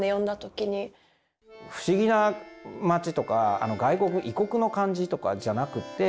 不思議な町とか外国異国の感じとかじゃなくて。